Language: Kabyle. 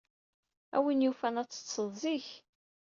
A win yufan, ad teḍḍsed zik.